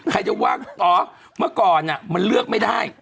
ใครจะว่าอ๋อเมื่อก่อนมันเลือกไม่ได้